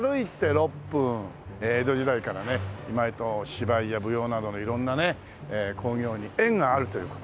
江戸時代からね舞と芝居や舞踊などの色んなね興行に縁があるという事で。